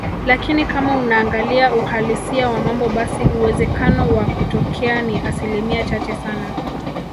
lakini kama unaangalia uhalisia wa mambo basi uwezekano wa kutokea ni asilimia chache sana